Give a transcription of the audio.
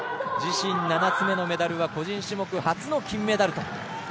自身７つ目のメダルは個人種目初の金メダル。